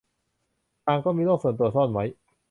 ต่างก็มีโลกส่วนตัวซ่อนไว้